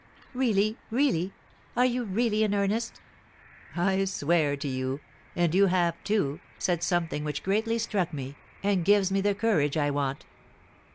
"Really, really are you really in earnest?" "I swear to you; and you have, too, said something which greatly struck me, and gives me the courage I want."